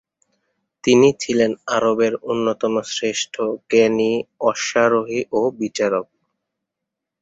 তিনি ছিলেন আরবের অন্যতম শ্রেষ্ঠ জ্ঞানী, অশ্বারোহী ও বিচারক।